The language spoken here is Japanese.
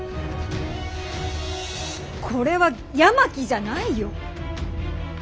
これは八巻じゃないよ。